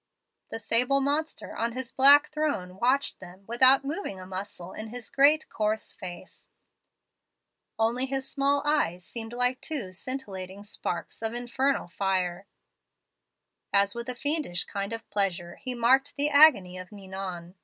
The sable monster on his black throne watched them without moving a muscle in his great, coarse face, only his small eyes seemed like two scintillating sparks of infernal fire, as with a fiendish kind of pleasure he marked the agony of Ninon.